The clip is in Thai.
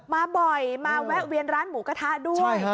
มาบ่อยมาแวะเวียนร้านหมูกระทะด้วย